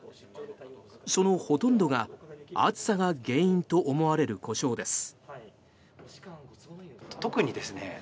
そのほとんどが暑さが原因と思われる故障です。